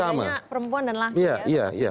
kasus yang sama bedanya perempuan dan laki ya